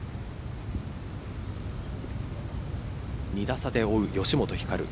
２打差で追う吉本ひかる